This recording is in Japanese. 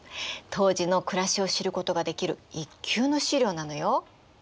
当時の暮らしを知ることができる一級の資料なのよ。